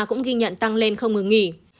cũng ghi nhận tăng lên không ngừng nghỉ